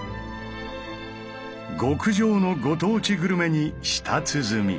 極上のご当地グルメに舌鼓。